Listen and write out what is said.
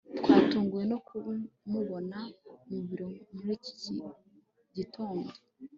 twatunguwe no kumubona mu biro muri iki gitondo